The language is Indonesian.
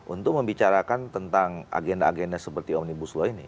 untuk membicarakan tentang agenda agenda seperti omnibus law ini